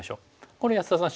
これ安田さん